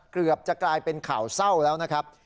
เกือบจะกลายเป็นข่าวเศร้าแล้วนะครับ